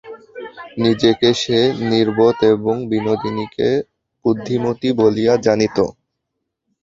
নিজেকে সে নির্বোধ এবং বিনোদিনীকে বুদ্ধিমতী বলিয়া জানিত।